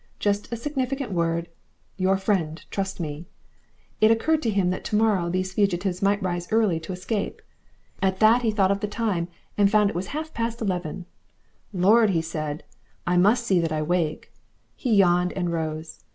Just a significant word, "Your friend trust me!" It occurred to him that to morrow these fugitives might rise early to escape. At that he thought of the time and found it was half past eleven. "Lord!" said he, "I must see that I wake." He yawned and rose.